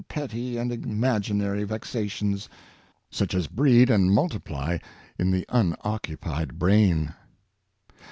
petty and imaginary vexations, such as breed and mul tiply in the unoccupied brain."